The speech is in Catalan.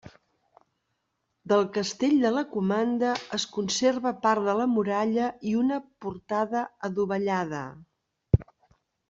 Del castell de la comanda es conserva part de la muralla i una portada adovellada.